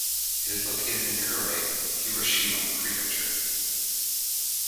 It is located in Kure, Hiroshima prefecture.